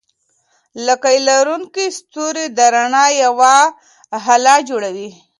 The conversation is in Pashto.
لکۍ لرونکي ستوري د رڼا یوه هاله جوړوي.